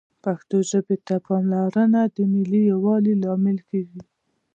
پښتو ژبې ته پاملرنه د ملي یووالي لامل کېږي